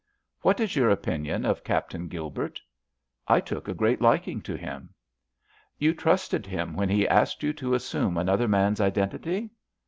"What is your opinion of Captain Gilbert?" "I took a great liking to him." "You trusted him when he asked you to assume another man's identity?"